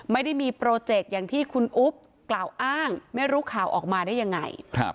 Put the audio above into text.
ไม่ได้มีโปรเจกต์อย่างที่คุณอุ๊บกล่าวอ้างไม่รู้ข่าวออกมาได้ยังไง